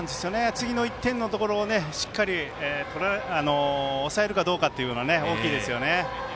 次の１点のところをしっかり抑えるかどうかというのは大きいですよね。